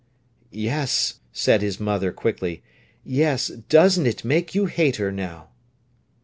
"Yes," said his mother quickly, "yes; doesn't it make you hate her, now!"